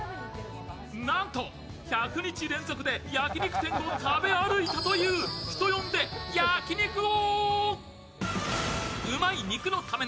なんと１００日連続で焼き肉店を食べ歩いたという人呼んで焼き肉王。